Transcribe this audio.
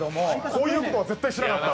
こういうことは絶対しなかった。